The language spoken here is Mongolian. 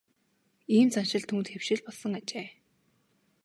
Ийм заншил түүнд хэвшил болсон ажээ.